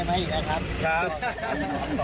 เพราะว่า